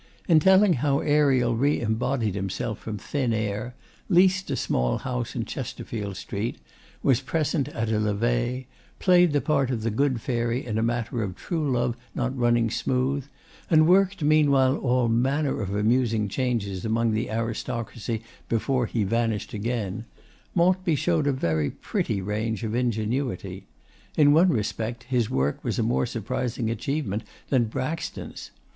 In telling how Ariel re embodied himself from thin air, leased a small house in Chesterfield Street, was presented at a Levee, played the part of good fairy in a matter of true love not running smooth, and worked meanwhile all manner of amusing changes among the aristocracy before he vanished again, Maltby showed a very pretty range of ingenuity. In one respect, his work was a more surprising achievement than Braxton's.